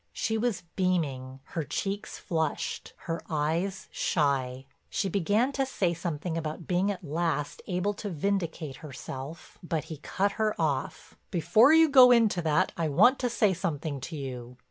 She was beaming, her cheeks flushed, her eyes shy. She began to say something about being at last able to vindicate herself, but he cut her off: "Before you go into that, I want to say something to you."